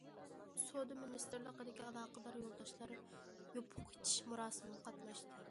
سودا مىنىستىرلىقىدىكى ئالاقىدار يولداشلار يوپۇق ئېچىش مۇراسىمىغا قاتناشتى.